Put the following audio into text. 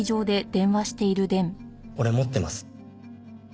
俺持ってます。